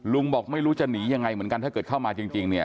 บอกไม่รู้จะหนียังไงเหมือนกันถ้าเกิดเข้ามาจริงเนี่ย